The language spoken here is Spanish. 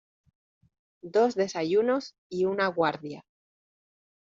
dos desayunos y una guardia.